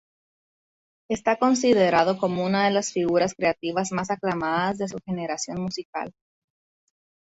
Está considerado como una de las figuras creativas más aclamadas de su generación musical.